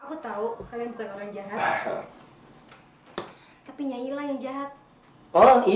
semua warga yang tidak mau menyerahkan si pati sudah akan pulang